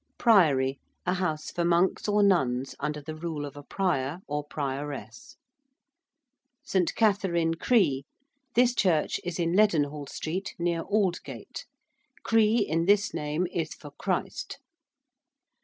~priory~: a house for monks or nuns under the rule of a prior or prioress. ~St. Katherine Cree~: this church is in Leadenhall Street, near Aldgate. Cree in this name is for Christ.